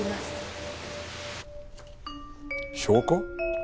証拠？